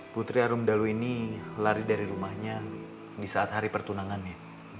putri arumdalu ini lari dari rumahnya di saat hari pertunangannya